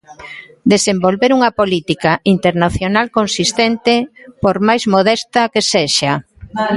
Desenvolver unha política internacional consistente, por máis modesta que sexa.